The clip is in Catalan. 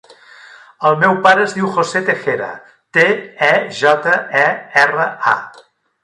El meu pare es diu José Tejera: te, e, jota, e, erra, a.